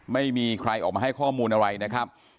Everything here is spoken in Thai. ไม่มีใครออกมาให้ข้อมูลอะไรนะครับ